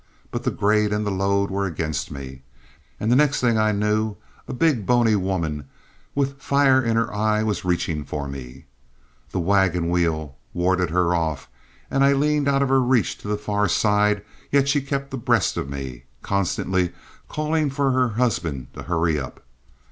But the grade and the load were against me, and the next thing I knew, a big, bony woman, with fire in her eye, was reaching for me. The wagon wheel warded her off, and I leaned out of her reach to the far side, yet she kept abreast of me, constantly calling for her husband to hurry up.